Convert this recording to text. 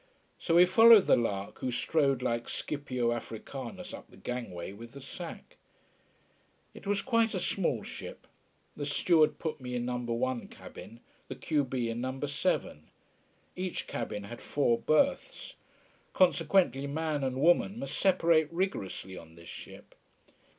So we followed the lark who strode like Scipio Africanus up the gangway with the sack. It was quite a small ship. The steward put me in number one cabin the q b in number seven. Each cabin had four berths. Consequently man and woman must separate rigorously on this ship.